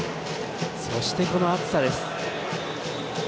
そして、この暑さです。